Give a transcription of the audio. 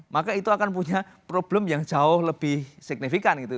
maka itu akan punya problem yang jauh lebih signifikan gitu